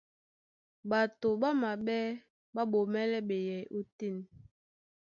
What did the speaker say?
Ɓato ɓá maɓɛ́ ɓá ɓomɛ́lɛ́ ɓeyɛy ótên.